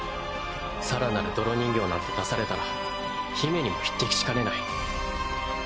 更なる泥人形なんて出されたら姫にも匹敵しかねない。